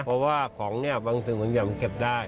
เพราะว่าของเนี่ยบางสิ่งบางอย่างมันเก็บได้